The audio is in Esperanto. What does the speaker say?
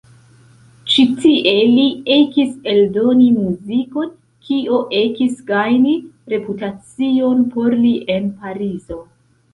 Ĉi tie li ekis eldoni muzikon, kio ekis gajni reputacion por li en Parizo.